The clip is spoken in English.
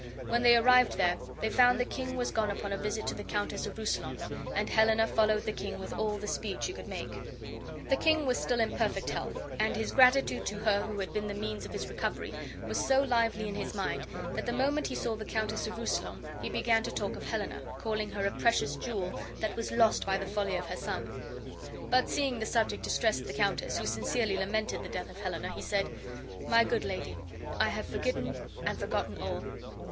When they arrived there, they found the king was gone upon a visit to the Countess of Rousillon, and Helena followed the king with all the speed she could make. The king was still in perfect health, and his gratitude to her who had been the means of his recovery was so lively in his mind that the moment he saw the Countess of Rousillon he began to talk of Helena, calling her a precious jewel that was lost by the folly of her son; but seeing the subject distressed the countess, who sincerely lamented the death of Helena, he said: "My good lady, I have forgiven and forgotten all."